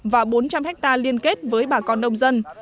và bốn trăm linh hectare liên kết với bà con nông dân